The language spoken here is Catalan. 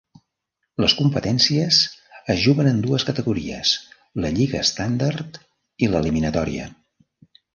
Les competències es juguen en dues categories: La lliga estàndard i l'eliminatòria.